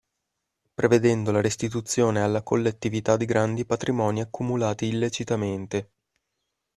Prevedendo la restituzione alla collettività di grandi patrimoni accumulati illecitamente.